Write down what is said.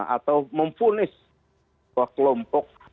atau mempunis kelompok